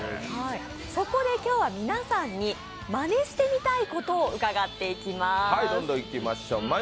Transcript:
そこで今日は皆さんにマネしてみたいことを伺っていきます。